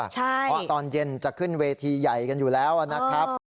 เพราะตอนเย็นจะขึ้นเวทีใหญ่กันอยู่แล้วนะครับ